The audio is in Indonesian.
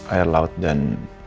air laut dan